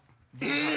え！